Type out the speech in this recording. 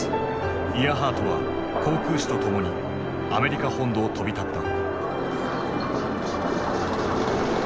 イアハートは航空士とともにアメリカ本土を飛び立った。